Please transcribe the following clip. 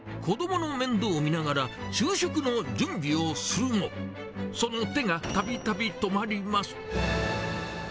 子どもの面倒を見ながら昼食の準備をするも、その手がたびたび止まります。